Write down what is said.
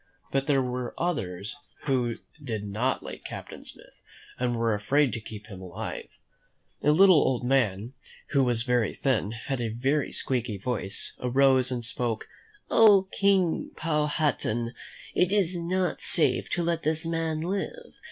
But there were others who did not like Captain Smith and were afraid to keep him alive. A little old man, who was very thin, and had a very squeaky voice, arose and spoke: "Oh, King Powhatan, it is not safe to let this man live.